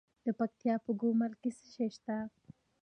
د پکتیکا په ګومل کې څه شی شته؟